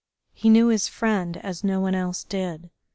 He knew his friend as no one else did.